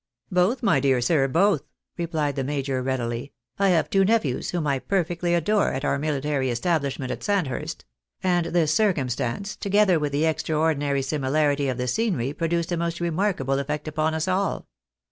" Both, my dear sir, both," replied the major, readily. " I have two nephews, whom I perfectly adore, at our military establish ment at Sandhurst ; and this circumstance, together with the extraordinary similarity of the scenery, produced a most remarkable effect upon us all.